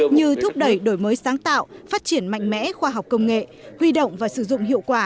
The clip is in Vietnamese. như thúc đẩy đổi mới sáng tạo phát triển mạnh mẽ khoa học công nghệ huy động và sử dụng hiệu quả